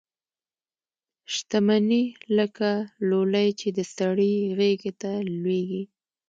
شته مني لکه لولۍ چي د سړي غیږي ته لویږي